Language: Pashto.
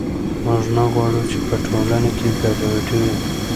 موږ نه غواړو چې په ټولنه کې ګډوډي وي.